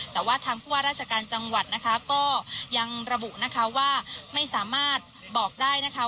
แต่ว่าทางผู้ว่าราชการจังหวัดนะคะก็ยังระบุนะคะว่าไม่สามารถบอกได้นะคะ